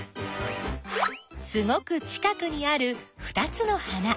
すごく近くにあるふたつの花。